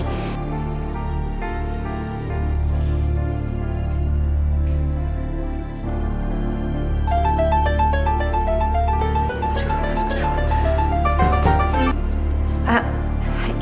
aduh mas gunawan